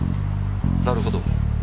なるほど。